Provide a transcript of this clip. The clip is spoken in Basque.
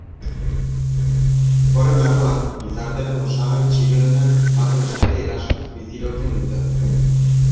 Horren barruan, gizartearen osagai txiroenek batak besteari erasoz bizirauten dute.